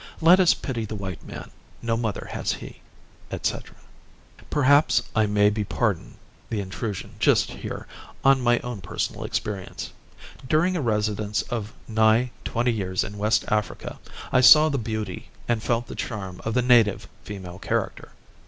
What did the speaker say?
Let us pity the white man, no mother has he,'" etc. Perhaps I may be pardoned the intrusion, just here, on my own personal experience. During a residence of nigh twenty years in West Africa, I saw the beauty and felt the charm of the native female character.